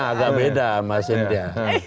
agak beda mas indya